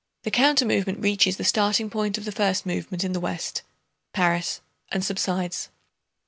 The counter movement reaches the starting point of the first movement in the west—Paris—and subsides.